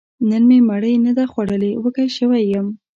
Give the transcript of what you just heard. نن مې مړۍ نه ده خوړلې، وږی شوی يم